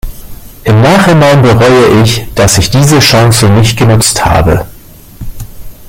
Im Nachhinein bereue ich, dass ich diese Chance nicht genutzt habe.